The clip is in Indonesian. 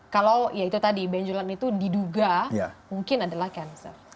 kalau ya itu tadi benjolan itu diduga mungkin adalah cancer